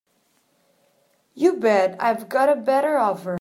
You bet I've got a better offer.